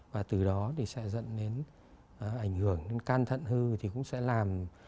và từ đó thì sẽ dẫn đến ảnh hưởng đến can thận hư thì cũng sẽ làm